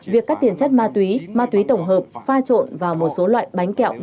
việc cắt tiền chất ma túy ma túy tổng hợp pha trộn vào một số loại bánh kẹo